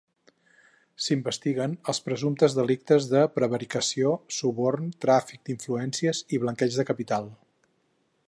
S'investiguen els presumptes delictes de prevaricació, suborn, tràfic d'influències i blanqueig de capital.